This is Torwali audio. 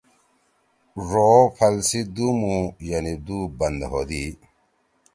ڙو او پھل سی دُو مو یعنی دُو بند ہؤدی۔